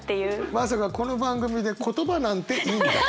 まさかこの番組で「言葉なんていいんだ」と。